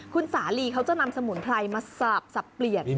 คุณสาลีเขาจะนำสมุนไพรมาสาบสับเปลี่ยน